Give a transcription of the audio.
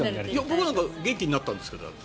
僕なんか元気になったんですけど。